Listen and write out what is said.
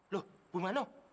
loh bu mano